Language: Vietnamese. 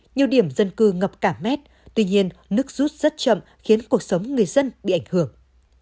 nhiều điểm dân cư ngập cả mét tuy nhiên nước rút rất chậm khiến cuộc sống người dân bị ảnh hưởng